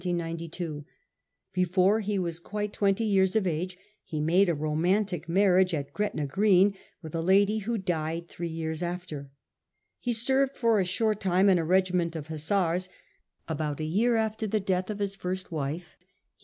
Before he was quite twenty years of age, he made a romahtic marriage at Gretna Green with a lady who died three years after. He served for a short time in a regiment of Hussars. About a year after the death of his first wife, he 62 A HISTORY OF OUR OWN TIMES. oh. nr.